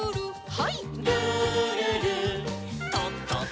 はい。